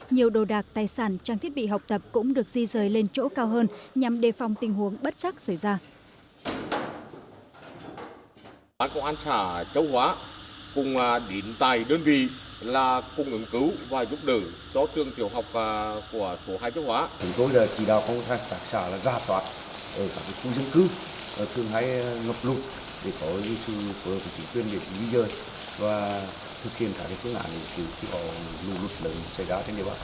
nhiều đồ đạc tài sản trang thiết bị học tập cũng được di rời lên chỗ cao hơn nhằm đề phòng tình huống bất chắc xảy ra